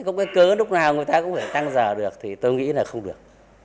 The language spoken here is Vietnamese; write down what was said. có cái cớ lúc nào người ta cũng phải tăng giờ được thì tôi nghĩ là không được